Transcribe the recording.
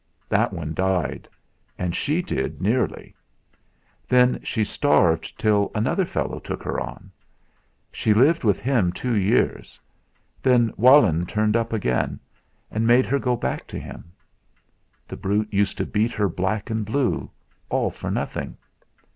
That one died, and she did nearly. Then she starved till another fellow took her on. She lived with him two years; then Walenn turned up again, and made her go back to him. The brute used to beat her black and blue, all for nothing.